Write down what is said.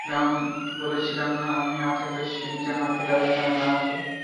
বলেছিলাম না, আমি না থাকলে যেন এরা এখানে না আসে।